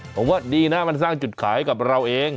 ผมว่าดีนะมันสร้างจุดขายให้กับเราเอง